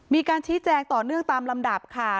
มีการชี้แจงต่อเนื่องตามลำดับค่ะ